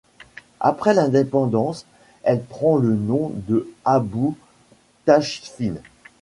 Après l'indépendance, elle prend le nom de Abou Tachfine.